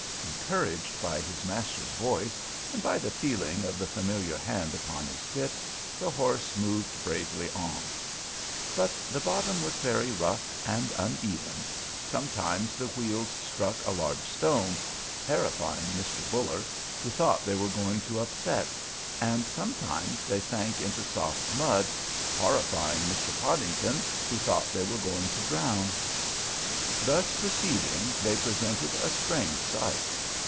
Encouraged by his master's voice, and by the feeling of the familiar hand upon his bit, the horse moved bravely on. But the bottom was very rough and uneven. Sometimes the wheels struck a large stone, terrifying Mr. Buller, who thought they were going to upset; and sometimes they sank into soft mud, horrifying Mr. Podington, who thought they were going to drown. Thus proceeding, they presented a strange sight.